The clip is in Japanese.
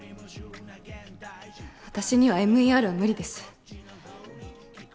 私にはＭＥＲは無理です